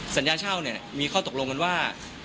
สัญญาเช่าเนี่ยมีข้อตกลงกันว่า